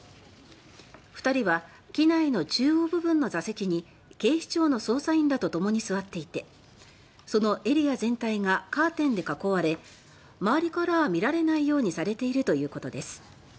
２人は機内の中央部分の座席に警視庁の捜査員らとともに座っていてそのエリア全体がカーテンで囲われ周りからは見られないようにされているということです。